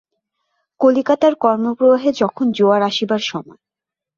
কলিকাতার কর্মপ্রবাহে তখন জোয়ার আসিবার সময়।